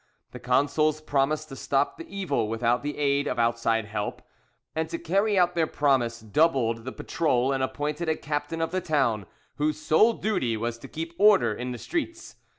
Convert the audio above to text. The consuls promised to stop the evil without the aid of outside help, and to carry out their promise doubled the patrol and appointed a captain of the town whose sole duty was to keep order in the streets.